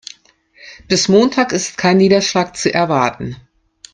Bis Montag ist kein Niederschlag zu erwarten.